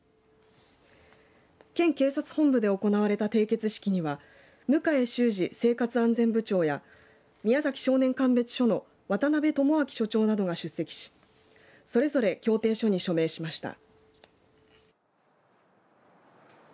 県警察本部で行われた締結式には迎修二生活安全部長や宮崎少年鑑別所の渡邊智昭署長などが出席しそれぞれ協定書に署名しました。